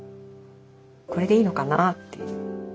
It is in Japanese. これでいいのかなという。